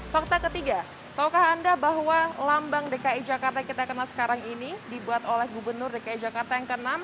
fakta ketiga taukah anda bahwa lambang dki jakarta kita kenal sekarang ini dibuat oleh gubernur dki jakarta yang ke enam